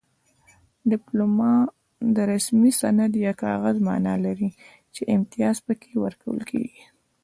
ډیپلوما د رسمي سند یا کاغذ مانا لري چې امتیاز پکې ورکول کیږي